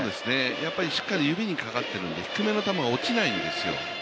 しっかり指にかかっているので低めの球は落ちないんですよ。